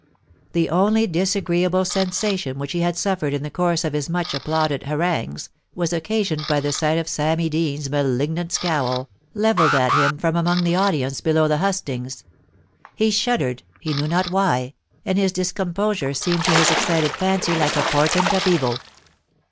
The only disagreeable sensation which he had suffered in the course of his much applauded harangues was occasioned by the sight of Sammy Deans's malignant scowl, levelled at him from among the audience below the hustings. He shud dered, he knew not why, and his discomposure seemed to his excited fancy like a portent of evil.